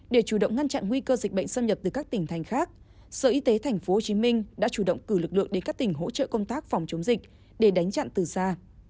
để chủ động ngăn chặn nguy cơ dịch bệnh xâm nhập từ các tỉnh thành khác sở y tế tp hcm đã chủ động cử lực lượng đến các tỉnh hỗ trợ công tác phòng chống dịch để đánh chặn từ xa